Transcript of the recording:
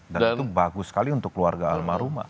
dan itu bagus sekali untuk keluarga almarhumah